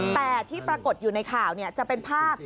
แต่ที่ปรากฏอยู่ในข่าวจะเป็นภาพ